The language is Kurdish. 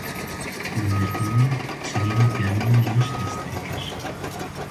Li Mêrdînê çinîna genimê reş dest pê kir.